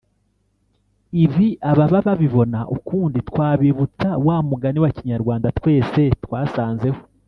Ibi ababa babibona ukundi twabibutsa wa mugani wa kinyarwanda twese twasanzeho